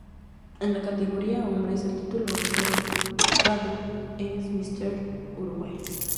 En la categoría hombres, el título otorgado es Mister Uruguay.